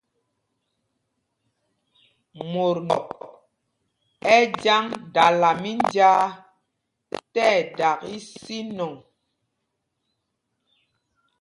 Mot ndɔk ɛ jyaŋ dala mínjāā ti ɛdak ísinɔŋ.